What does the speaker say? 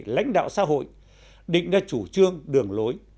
lãnh đạo xã hội định ra chủ trương đường lối